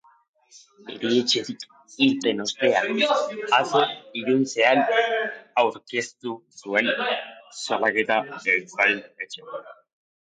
Erietxetik irten ostean, atzo iluntzean aurkeztu zuen salaketa ertzain-etxean.